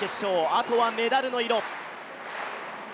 あとはメダルの色。